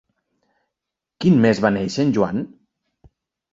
Quin mes va néixer en Joan?